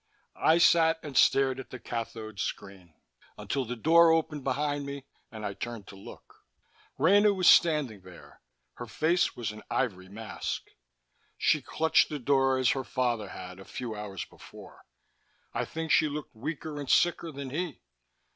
I sat and stared at the cathode screen. Until the door opened behind me, and I turned to look. Rena was standing there. Her face was an ivory mask. She clutched the door as her father had a few hours before; I think she looked weaker and sicker than he.